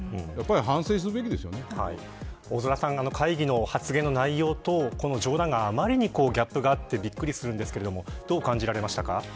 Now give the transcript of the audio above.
反省大空さん、会議の発言の内容とこの冗談が、あまりにもギャップがあってびっくりするんですがどう感じられましたか。